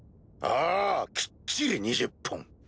ああきっちり２０本。